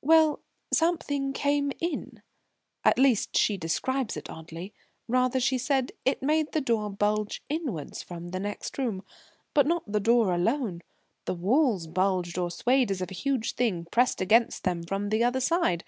"Well something came in. At least, she describes it oddly, rather; she said it made the door bulge inwards from the next room, but not the door alone; the walls bulged or swayed as if a huge thing pressed against them from the other side.